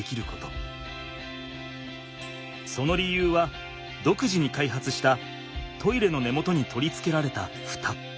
その理由はどくじに開発したトイレの根元に取りつけられたフタ。